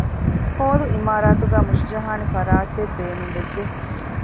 ހޯލު އިމާރާތުގައި މުށިޖަހާނެ ފަރާތެއް ބޭނުންވެއްޖެ